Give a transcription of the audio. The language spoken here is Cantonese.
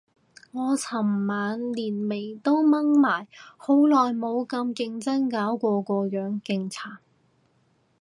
我尋晚連眉都掹埋，好耐冇認真搞過個樣，勁殘